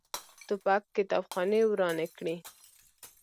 توپک کتابخانې ورانې کړي.